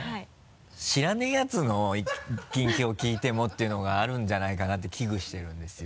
知らないやつの近況を聞いてもっていうのがあるんじゃないかなって危惧してるんですよ。